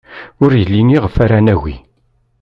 Ur yelli iɣef ara nagi.